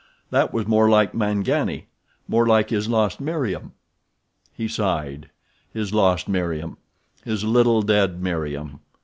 That was more like mangani—more like his lost Meriem. He sighed. His lost Meriem! His little, dead Meriem!